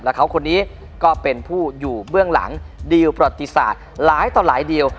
แล้วเขาคนนี้ก็เป็นผู้อยู่เบื้องหลังดีลประติศาสตร์หลายต่อหลายเดียว